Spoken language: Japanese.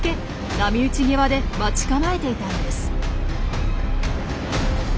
波打ち際で待ち構えていたんです。